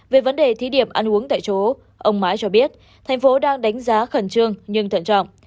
về vấn đề thí điểm ăn uống tại chỗ ông mãi cho biết thành phố đang đánh giá khẩn trương nhưng thận trọng